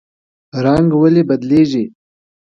رنګ ولې بدلیږي؟